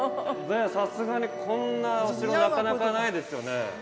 さすがに、こんなお城なかなかないですよね。